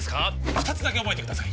二つだけ覚えてください